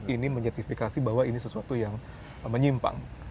ini menyertifikasi bahwa ini sesuatu yang menyimpang